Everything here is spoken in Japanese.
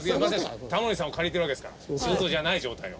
タモリさんを借りてるわけですから仕事じゃない状態を。